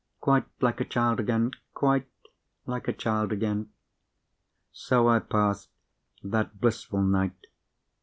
Quite like a child again! quite like a child again! So I passed that blissful night.